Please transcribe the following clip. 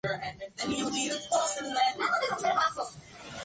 Perteneciente a la comarca de la Plana Baja.